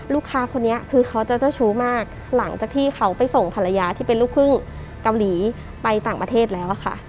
ลูกค้าคนนี้คือเขาจะเจ้าชู้มากหลังจากที่เขาไปส่งภรรยาที่เป็นลูกครึ่งเกาหลีไปต่างประเทศแล้วอะค่ะ